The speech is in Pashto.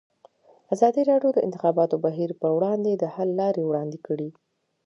ازادي راډیو د د انتخاباتو بهیر پر وړاندې د حل لارې وړاندې کړي.